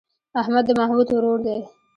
احمد د محمود ورور دی.